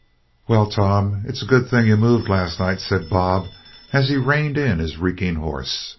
"Well, Tom, it's a good thing you moved last night," said Bob, as he reined in his reeking horse.